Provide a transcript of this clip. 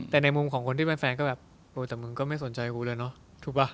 แต่ในมุมของคนที่เป็นแฟนก็แบบบนมึงก็ไม่สนใจวันกั้นเราเลยเนอะ